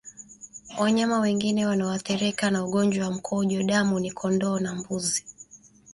Wanyama wengine wanaoathirika na ugonjwa wa mkojo damu ni kondoo na mbuzi